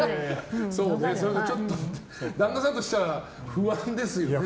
旦那さんとしては不安ですよね